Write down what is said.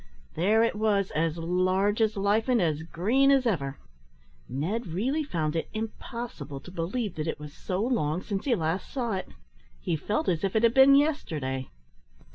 There it was, as large as life, and as green as ever. Ned really found it impossible to believe that it was so long since he last saw it. He felt as if it had been yesterday.